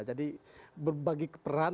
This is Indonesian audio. jadi berbagi peran